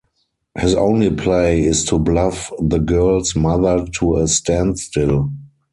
His only play is to bluff the girl's mother to a standstill.